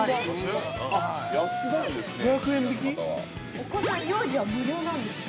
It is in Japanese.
◆お子さん、幼児は無料なんですね。